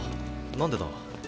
何でだ？